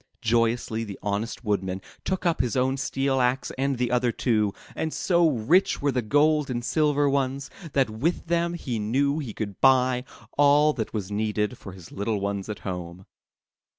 Joyously the honest Woodman took up his own steel axe and the other two, and so rich were the gold and silver ones, that with them he knew he could buy all that was needed for his little ones at home.